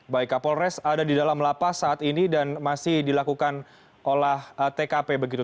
baik kapolres ada di dalam lapas saat ini dan masih dilakukan olah tkp begitu